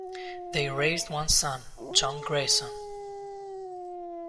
They raised one son, John Grayson.